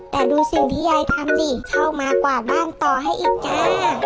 แต่ดูสิ่งที่ยายทำดิเข้ามากวาดบ้านต่อให้อีกแก